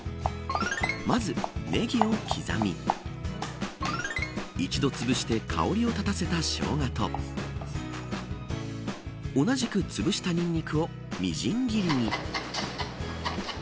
まず、ネギを刻み一度つぶして香りを立たせたショウガと同じくつぶしたニンニクをみじん切りに。